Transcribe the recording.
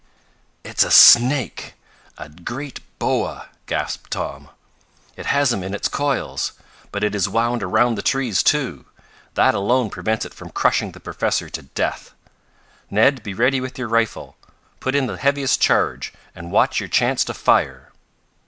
"It's a snake a great boa!" gasped Tom. "It has him in its coils. But it is wound around the trees, too. That alone prevents it from crushing the professor to death. "Ned, be ready with your rifle. Put in the heaviest charge, and watch your chance to fire!"